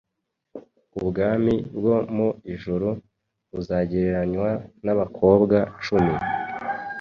ubwami bwo mu ijuru buzagereranywa n’abakobwa cumi